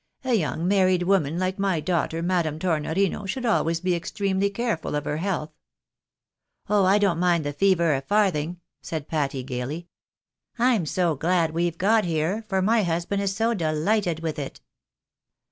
" A young married woman Uke my daughter, Madame Tornorino, should always be extremely careful of her health." " Oh ! I don't mind the fever a farthing," said Patty, gaily. " I'm so glad we've got here, for my husband is so delighted with it